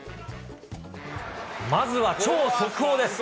まずは超速報です。